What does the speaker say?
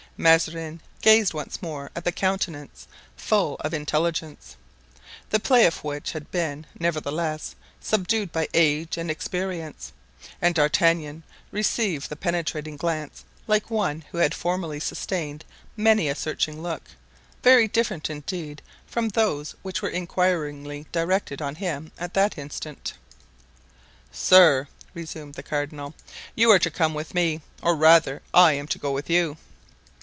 Mazarin gazed once more at a countenance full of intelligence, the play of which had been, nevertheless, subdued by age and experience; and D'Artagnan received the penetrating glance like one who had formerly sustained many a searching look, very different, indeed, from those which were inquiringly directed on him at that instant. "Sir," resumed the cardinal, "you are to come with me, or rather, I am to go with you."